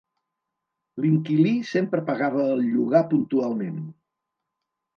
L'inquilí sempre pagava el llogar puntualment.